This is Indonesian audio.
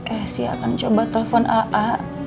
esi akan coba telepon aa